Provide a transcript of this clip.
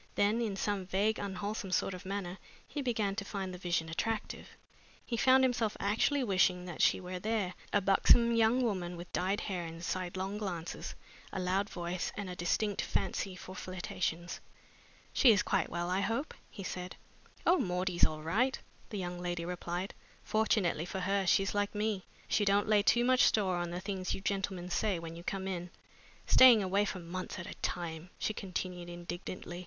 Then in some vague, unwholesome sort of manner he began to find the vision attractive. He found himself actually wishing that she were there a buxom young woman with dyed hair and sidelong glances, a loud voice, and a distinct fancy for flirtations. "She is quite well, I hope?" he said. "Oh, Maudie's all right!" the young lady replied. "Fortunately for her, she's like me she don't lay too much store on the things you gentlemen say when you come in. Staying away for months at a time!" she continued indignantly.